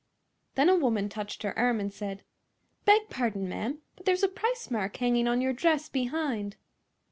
Then a woman touched her arm and said: "Beg pardon, ma'am; but there's a price mark hanging on your dress behind."